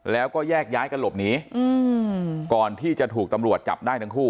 แล้วก็แยกย้ายกันหลบหนีก่อนที่จะถูกตำรวจจับได้ทั้งคู่